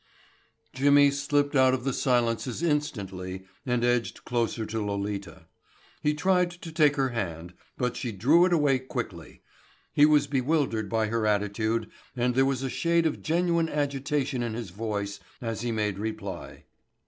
Jimmy slipped out of the silences instantly and edged closer to Lolita. He tried to take her hand, but she drew it away quickly. He was bewildered by her attitude and there was a shade of genuine agitation in his voice as he made reply.